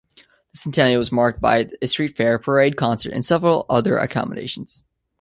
The centennial was marked by a street fair, parade, concert, and several other accommodations.